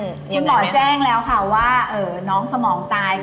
คุณหมอแจ้งแล้วค่ะว่าน้องสมองตาย